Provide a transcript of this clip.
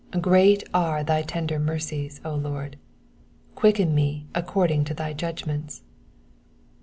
1 56 Great are thy tender mercies, O Lord : quicken me according to thy judgments.